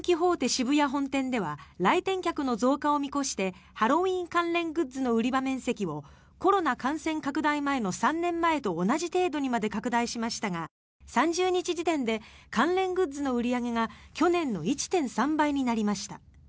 渋谷本店では来店客の増加を見越してハロウィーン関連グッズの売り場面積をコロナ感染拡大前の３年前と同じ程度にまで拡大しましたが３０日時点で関連グッズの売り上げが去年の１．３倍になりました。